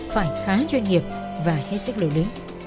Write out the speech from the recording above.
phải khá chuyên nghiệp và hết sức lưu lý